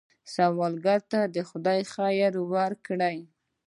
سوالګر ته خدای خیر ورکړي